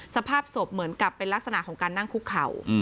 สภาพศพเหมือนกับเป็นลักษณะของการนั่งคุกเข่า